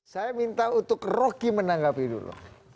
saya minta untuk rocky menanggapi dulu